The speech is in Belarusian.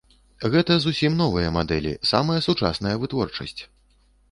Гэта зусім новыя мадэлі, самая сучасная вытворчасць.